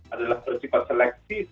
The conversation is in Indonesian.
adalah bersifat selektif